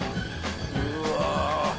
うわ。